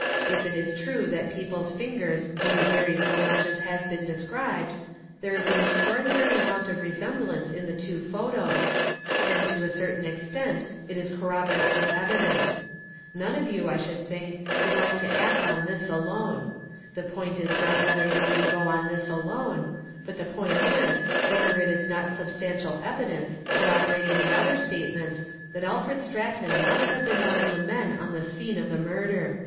If it is true that people's fingers do vary so much as has been described there is an extraordinary amount of resemblance in the two photos and to a certain extent it is corroborative evidence. None of you, I should think, would like to act on this alone. The point is not whether you will go on this alone, but the point is whether it is not sub stantial evidence corroborating the other statements that Alfred Stratton must have been one of the men on the scene of the murder."